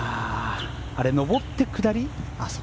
あれ、上って下り？